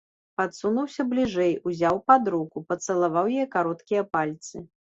Падсунуўся бліжэй, узяў пад руку, пацалаваў яе кароткія пальцы.